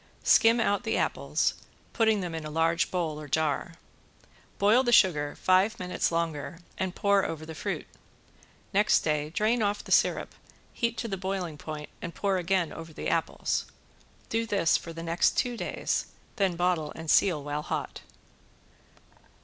Skim out the apples, putting them in a large bowl or jar. Boil the sugar five minutes longer and pour over the fruit. Next day drain off the syrup, heat to the boiling point and pour again over the apples. Do this for the next two days, then bottle and seal while hot.